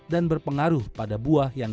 dan berpengaruh pada buah yang